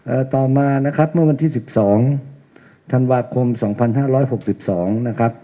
ต่อมานะครับเมื่อวันที่สิบสองธันวาคมสองพันห้าร้อยหกสิบสองนะครับ